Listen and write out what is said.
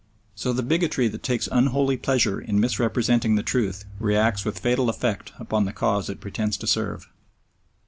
So the bigotry that takes unholy pleasure in misrepresenting the truth reacts with fatal effect upon the cause it pretends to serve.